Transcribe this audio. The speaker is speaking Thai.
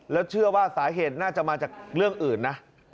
แล้วเชื่อว่าสาเหตุน่าจะมาจากเรื่องอื่นนะ